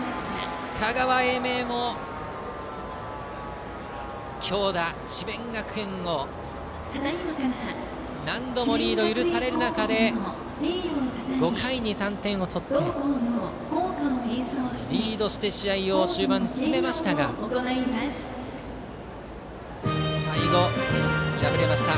香川・英明も強打、智弁学園を何度もリードを許される中で５回に３点を取ってリードして試合を終盤進めましたが最後、敗れました。